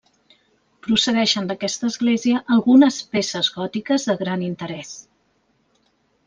Procedeixen d'aquesta església algunes peces gòtiques de gran interès.